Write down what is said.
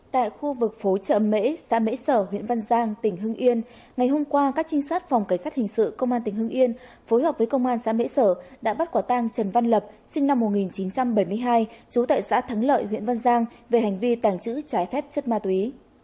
tại khu vực phố chợ mễ xã mễ sở huyện văn giang tỉnh hưng yên ngày hôm qua các trinh sát phòng cảnh sát hình sự công an tỉnh hưng yên phối hợp với công an xã mễ sở đã bắt quả tang trần văn lập sinh năm một nghìn chín trăm bảy mươi hai trú tại xã thắng lợi huyện văn giang về hành vi tàng trữ trái phép chất ma túy